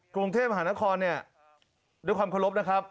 กรุงเทพฯมหานครด้วยความขอบครับ